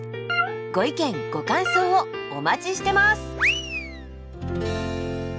ご意見ご感想をお待ちしてます！